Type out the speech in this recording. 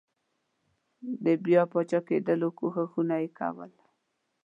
د بیا پاچاکېدلو کوښښونه یې کول.